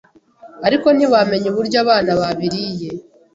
ariko ntibamenye uburyo abana babiriye,